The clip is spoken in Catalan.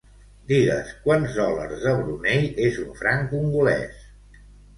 Digues quants dòlars de Brunei és un franc congolès.